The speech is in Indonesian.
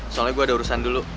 soalnya gue ada urusan dulu